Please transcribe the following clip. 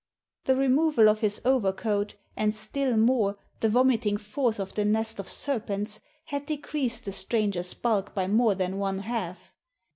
The removal of his overcoat, and, still more, the vomiting forth of the nest of serpents, had decreased the stranger's bulk by more than one half.